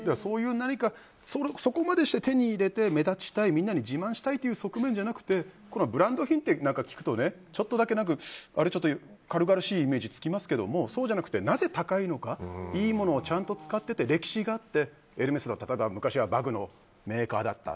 そこまでして手に入れて目立ちたいみんなに自慢したいっていう側面じゃなくてブランド品って聞くとちょっとだけ軽々しいイメージがつきますけども、そうじゃなくてなぜ高いのかいいものをちゃんと使ってて歴史があってエルメスだとかは昔はバッグのメーカーだった。